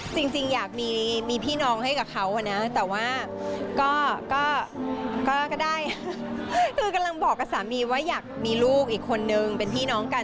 จริงอยากมีพี่น้องให้กับเขานะแต่ว่าก็ได้คือกำลังบอกกับสามีว่าอยากมีลูกอีกคนนึงเป็นพี่น้องกัน